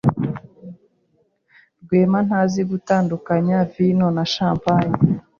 Rwema ntazi gutandukanya vino na champagne.